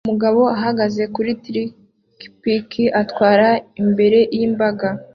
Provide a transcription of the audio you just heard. Umugabo uhagaze kuri trikipiki atwara imbere yimbaga